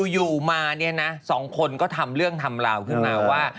อยู่มาเนี่ยนะสองคนก็ทำเรื่องทำราวขึ้นมาว่า